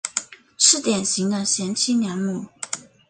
是典型的贤妻良母。